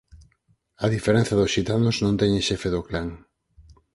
A diferenza dos xitanos non teñen xefe do clan.